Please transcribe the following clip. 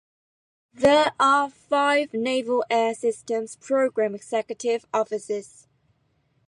There are five Naval Air Systems Program Executive Offices.